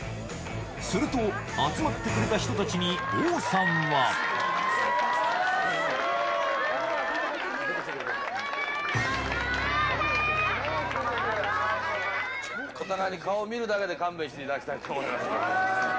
すると、集まってくれた人たちに、王さんは。王さーん！お互いに顔を見るだけで勘弁していただきたいと思います。